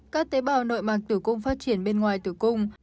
các tế bào nội mạng tử cung phát triển bên ngoài tử cung